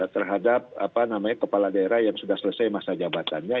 terhadap kepala daerah yang sudah selesai masa jabatannya